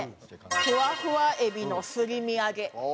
ふわふわ海老のすり身揚げ。